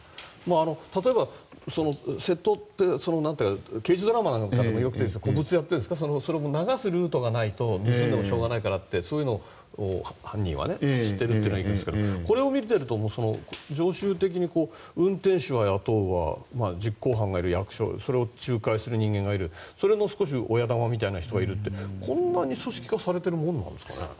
例えば、窃盗って刑事ドラマとかでもありますが流すルートがないと盗んでもしょうがないからって犯人は知ってるじゃないですけどこれを見ると常習的に運転手は雇うわ実行犯がいるそれを仲介する人間がいるそれが少し親玉みたいな人がいるってこんなに組織化されているものですかね。